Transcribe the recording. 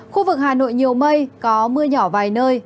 khu vực hà nội nhiều mây có mưa nhỏ vài nơi